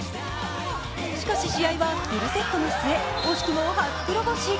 しかし、試合はフルセットの末惜しくも初黒星。